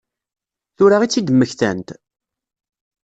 Tura i tt-id-mmektant?